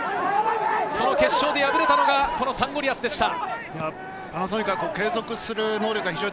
決勝で敗れたのがサンゴリアスでした。